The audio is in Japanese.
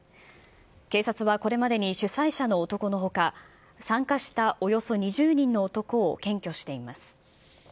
警察はこれまでに主催者の男のほか、参加したおよそ２０人の男を検挙しています。